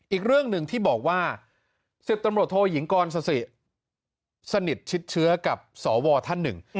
อีกเรื่องหนึ่งที่บอกว่า๑๐ตำรวจโทยิงกรสสิสนิทชิดเชื้อกับสวท่านหนึ่ง